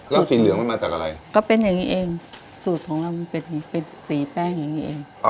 แล้วสีเหลืองมันมาจากอะไรก็เป็นอย่างนี้เองสูตรของเรามันเป็นสีแป้งอย่างนี้เอง